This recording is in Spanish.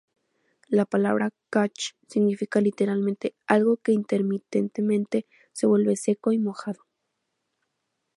La palabra "kach" significa literalmente ‘algo que intermitentemente se vuelve seco y mojado’.